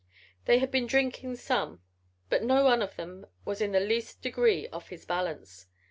They had been drinking some but no one of them was in the least degree off his balance.